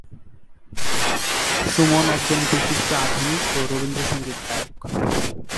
সুমন একজন বিশিষ্ট আধুনিক ও রবীন্দ্রসংগীত গায়ক।